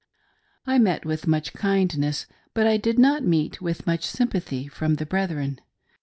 I met with much kindness, but I did not meet with much sympathy from the brethren.